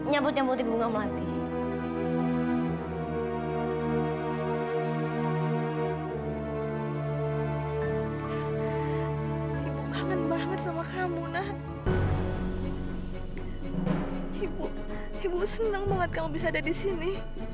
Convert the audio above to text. ya tapi li kita kan baru mulai disini